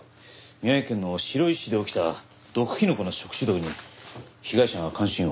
宮城県の白石市で起きた毒キノコの食中毒に被害者が関心を。